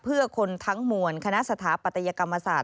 เพื่อคนทั้งมวลคณะสถาปัตยกรรมศาสตร์